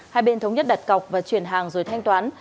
hai bên thống nhất đặt cọc và chuyển hàng rồi thanh toán